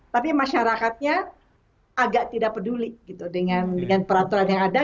tapi masyarakatnya agak tidak peduli dengan peraturan yang ada